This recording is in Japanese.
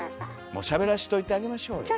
もうしゃべらしといてあげましょうよ。